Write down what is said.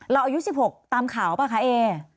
อายุ๑๖ตามข่าวป่ะคะเอ